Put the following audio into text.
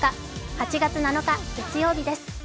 ８月７日月曜日です。